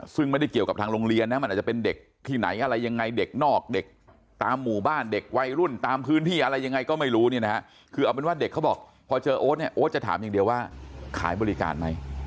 ซึ่งไม่ได้เกี่ยวกับทางโรงเรียนนะมันอาจจะเป็นเด็กที่ไหนอะไรยังไงเด็กนอกเด็กตามหมู่บ้านเด็กวัยรุ่นตามพื้นที่อะไรยังไงก็ไม่รู้เนี่ยนะฮะคือเอาเป็นว่าเด็กเขาบอกพอเจอโอ๊ตเนี่ยโอ๊ตจะถามอย่างเดียวว่าขายบริการไหม